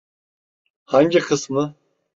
Hangi kısmı?